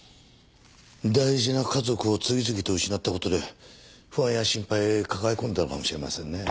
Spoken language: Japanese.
大事な家族を次々と失った事で不安や心配を抱え込んだのかもしれませんね。